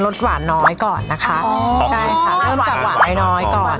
สหวานน้อยก่อนนะคะอ๋อใช่ค่ะเริ่มจากหวานน้อยน้อยก่อน